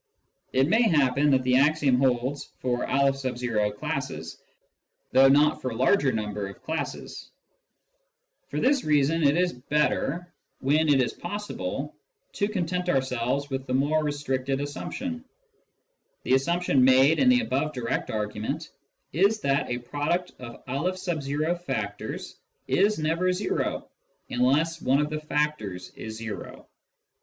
It may happen that the axiom holds for M classes, though not for larger numbers of classes. For this reason it is better, when 9 130 Introduction to Mathematical Philosophy it is possible, to content ourselves with the more restricted assumption. The assumption made in the above direct argu ment is that a product of N factors is never zero unless one of the factors is zero.